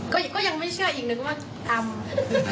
ก็ยังไม่เชื่ออีกนึงว่าทำ